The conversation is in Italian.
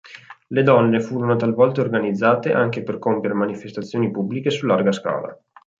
Le donne furono talvolta organizzate anche per compiere manifestazioni pubbliche su larga scala.